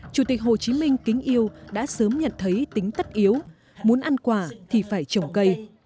chủ tịch hồ chí minh kính yêu đã sớm nhận thấy tính tất yếu muốn ăn quả thì phải trồng cây